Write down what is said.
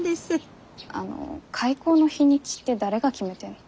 あの開口の日にちって誰が決めてんの？